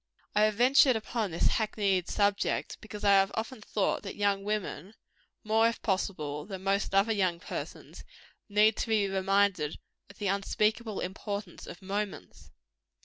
I have ventured upon this hackneyed subject, because I have often thought that young women more, if possible, than most other young persons need to be reminded of the unspeakable importance of moments.